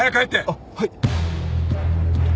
あっはい。